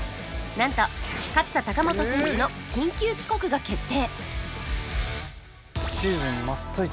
なんと勝田貴元選手の緊急帰国が決定